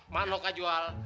manok gak jual